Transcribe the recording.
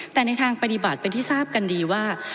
แต่ในทางปฏิบัติเป็นที่ทราบกันดีว่า